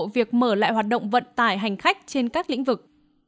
việc mở lại hoạt động vận tải hành khách trên các lĩnh vực